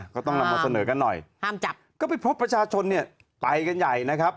ก็ไปพบประชาชนเนี่ยไปกันใหญ่นะครับ